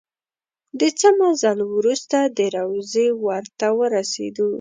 د څه مزل وروسته د روضې ور ته ورسېدو.